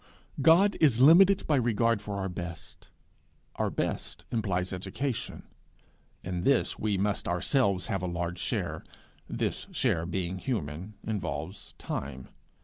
God is limited by regard for our best; our best implies education; in this we must ourselves have a large share; this share, being human, involves time.